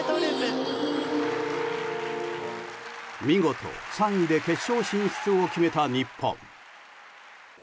見事３位で決勝進出を決めた日本。